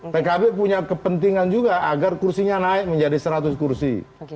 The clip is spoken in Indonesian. pkb punya kepentingan juga agar kursinya naik menjadi seratus kursi